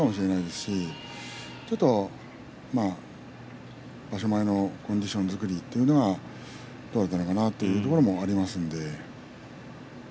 ちょっと場所前のコンディション作りというのはどうだったのかなというところもあります。